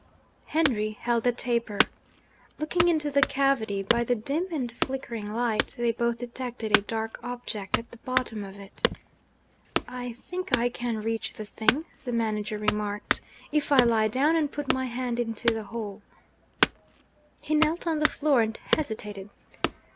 Henry held the taper. Looking into the cavity, by the dim and flickering light, they both detected a dark object at the bottom of it. 'I think I can reach the thing,' the manager remarked, 'if I lie down, and put my hand into the hole.' He knelt on the floor and hesitated.